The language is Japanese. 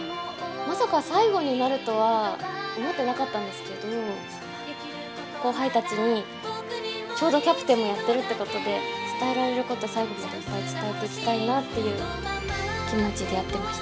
まさか最後になるとは思ってなかったんですけど、後輩たちに、ちょうどキャプテンもやってるということで、伝えられること、最後までいっぱい伝えていきたいなっていう気持ちでやってました。